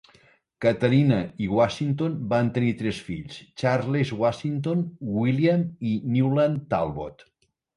Katharine i Washington van tenir tres fills: Charles Washington, William i Newland Talbot.